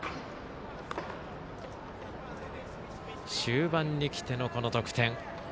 終盤に来ての、この得点。